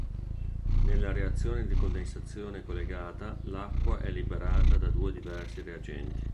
Nella reazione di condensazione collegata l'acqua è liberata da due diversi reagenti.